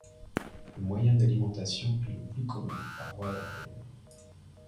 Le moyen d'alimentation est le plus commun, par voie aérienne.